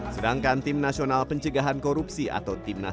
sedangkan tim nasional pencegahan korupsi atau tim nas pk